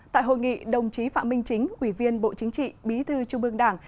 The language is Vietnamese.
tại hội nghị đồng chí phạm minh chính quỷ viên bộ chính trị bí thư trung mương đảng